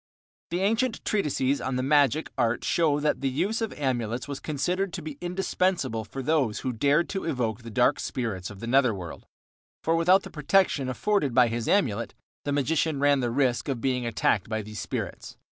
The ancient treatises on the magic art show that the use of amulets was considered to be indispensable for those who dared to evoke the dark spirits of the nether world, for without the protection afforded by his amulet the magician ran the risk of being attacked by these spirits.